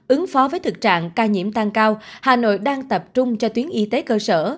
ứng phó với thực trạng ca nhiễm tăng cao hà nội đang tập trung cho tuyến y tế cơ sở